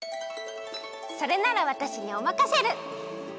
それならわたしにおまかせシェル！